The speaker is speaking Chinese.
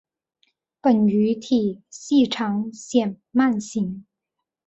本鱼体细长呈鳗形。